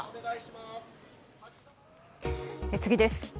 次です。